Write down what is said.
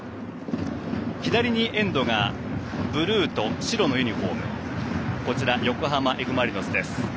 左にエンドがブルーと白のユニフォーム横浜Ｆ・マリノスです。